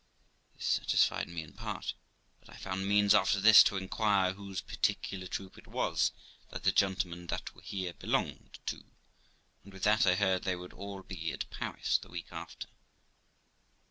This satisfied me in part, but I found means after this to inquire whose particular troop it was that the gentlemen that were here belonged to ; and with that I heard they would all be at Paris the week after.